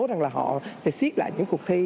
rằng là họ sẽ siết lại những cuộc thi